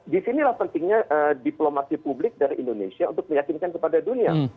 disinilah pentingnya diplomasi publik dari indonesia untuk meyakinkan kepada dunia